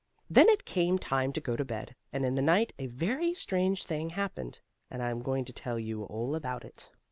Then it came time to go to bed, and in the night a very strange thing happened, and I'm going to tell you all about it.